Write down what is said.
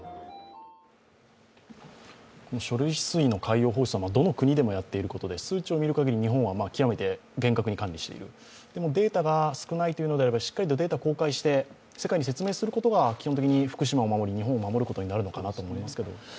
この処理水の海洋放出はどの国もやっていることで数値を見るかぎり日本は極めて厳格に管理しているデータが少ないというのであればしっかりとデータを公開して世界に説明することが基本的に福島を守り日本を守ることになるのかなと思いますけど。